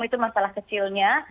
itu masalah kecilnya